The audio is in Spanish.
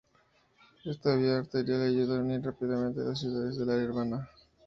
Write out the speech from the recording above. Esta vía arterial ayuda a unir rápidamente a las ciudades del área urbana.